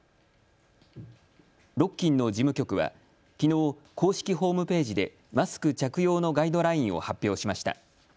ロッキンの事務局はきのう、公式ホームページでマスク着用のガイドラインを発表しました。